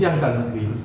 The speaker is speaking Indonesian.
itu yang dalam negeri